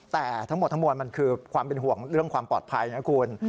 แต่ทั้งหมดทั้งมวลมันคือความเป็นห่วงเรื่องความปลอดภัยนะคุณ